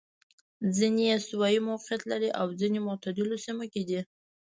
ځیني یې استوايي موقعیت لري او ځیني معتدلو سیمو کې دي.